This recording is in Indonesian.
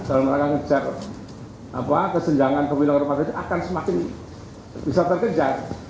dan mereka mengejar kesenjangan pemilang rumah itu akan semakin bisa terkejar